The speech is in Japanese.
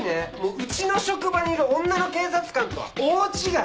うちの職場にいる女の警察官とは大違い！